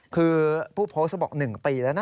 คือผู้โพสต์เขาบอก๑ปีแล้วนะ